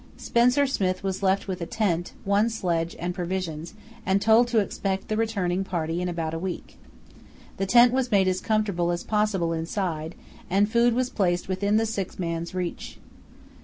Spencer Smith was left with a tent, one sledge, and provisions, and told to expect the returning party in about a week. The tent was made as comfortable as possible inside, and food was placed within the sick man's reach.